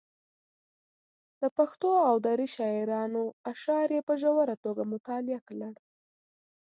د پښتو او دري شاعرانو اشعار یې په ژوره توګه مطالعه کړل.